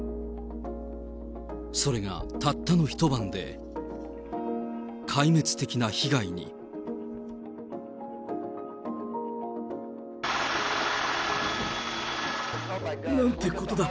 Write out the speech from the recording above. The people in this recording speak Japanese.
それがたったの一晩で、壊滅的な被害に。なんてことだ。